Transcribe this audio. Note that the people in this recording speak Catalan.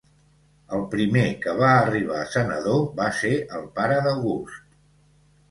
El primer que va arribar a senador va ser el pare d'August.